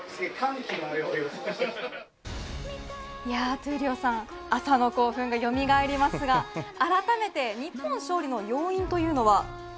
闘莉王さん、朝の興奮がよみがえりますがあらためて日本勝利の要因というのは。